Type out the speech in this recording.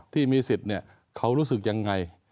ที่มีสิทธิ์เขารู้สึกยังไง